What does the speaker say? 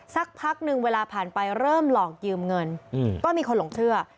สักพักหนึ่งเวลาผ่านไปเริ่มหลอกยืมเงินก็มีคนหลงเชื่อ